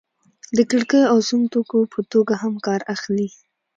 د کړکیو او سونګ توکو په توګه هم کار اخلي.